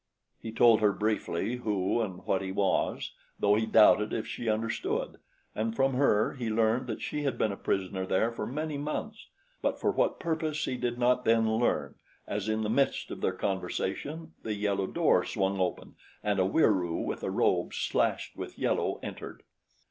He told her briefly who and what he was, though he doubted if she understood, and from her he learned that she had been a prisoner there for many months; but for what purpose he did not then learn, as in the midst of their conversation the yellow door swung open and a Wieroo with a robe slashed with yellow entered.